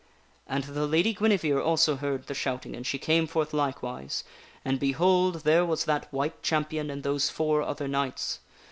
And the Lady Guinevere also heard the shouting and she came forth likewise and, behold! there was that White Champion and those four other knights.